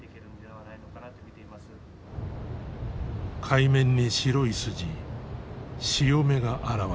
海面に白い筋潮目が現れた。